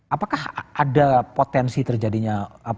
apakah ada potensi terjadinya